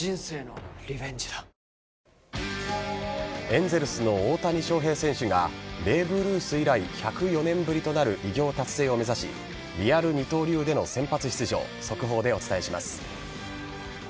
エンゼルスの大谷翔平選手がベーブ・ルース以来１０４年ぶりとなる偉業達成を目指しリアル二刀流での先発出場速報でお伝えします。